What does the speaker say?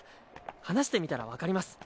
話してみたらわかります。